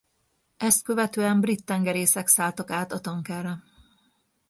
Ezt követően brit tengerészek szálltak át a tankerre.